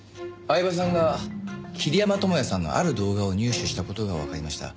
饗庭さんが桐山友哉さんのある動画を入手した事がわかりました。